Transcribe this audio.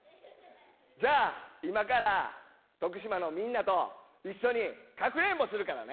じゃあ今から徳島のみんなと一緒にかくれんぼするからね。